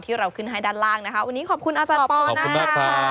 ที่เราขึ้นให้ด้านล่างนะคะวันนี้ขอบคุณอาจารย์ปอนะคะ